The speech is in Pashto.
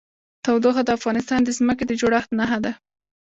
تودوخه د افغانستان د ځمکې د جوړښت نښه ده.